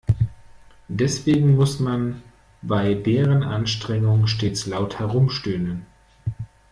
Deswegen muss man bei deren Anstrengung stets laut herumstöhnen.